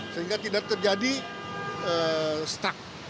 sehingga tidak terjadi stuck